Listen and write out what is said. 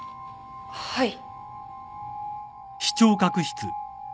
はい。